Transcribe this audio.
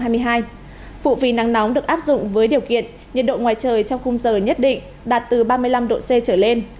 phụ phí nắng nóng được áp dụng với điều kiện nhiệt độ ngoài trời trong khung giờ nhất định đạt từ ba mươi năm độ c trở lên